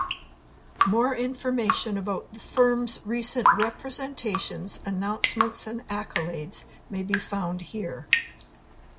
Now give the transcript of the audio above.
More information about the firm's recent representations, announcements and accolades may be found here.